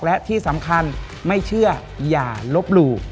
และที่สำคัญไม่เชื่ออย่าลบหลู่